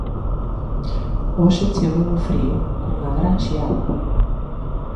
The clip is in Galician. Hoxe chegou o frío, cunha gran xiada